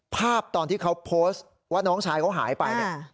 ภาพตอนที่เขาว่าน้องชายเขาหายไปอ่า